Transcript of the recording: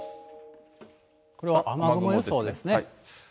これは雨雲予想ですね。